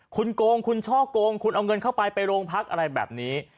คุณโกงคุณช่อกงคุณเอาเงินเข้าไปไปโรงพักอะไรแบบนี้